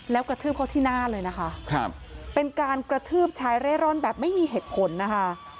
แล้วกระทืบเขาที่หน้าเลยนะคะครับเป็นการกระทืบชายเร่ร่อนแบบไม่มีเหตุผลนะคะ